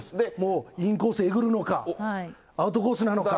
もう、インコースをえぐるのか、アウトコースなのか。